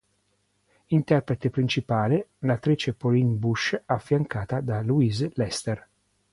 Interprete principale, l'attrice Pauline Bush affiancata da Louise Lester.